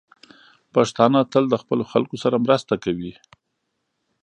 پښتانه تل د خپلو خلکو سره مرسته کوي.